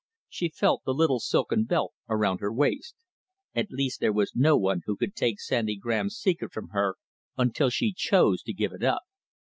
She felt the little silken belt around her waist. At least there was no one who could take Sandy Graham's secret from her until she chose to give it up.